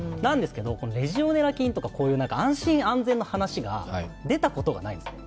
レジオネラ菌とか安心安全の話が出たことがないんですね。